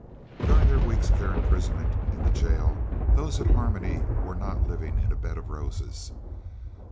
During the weeks of their imprisonment in the jail those at Harmony were not living in a bed of roses.